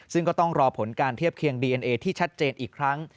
ซึ่งก็ต้องรอผลการเทียบเคียงดีเอ็นเอที่ชัดเจนอีกครั้ง